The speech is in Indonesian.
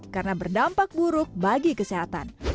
karena berdampak buruk bagi kesehatan